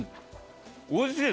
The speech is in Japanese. おいしい！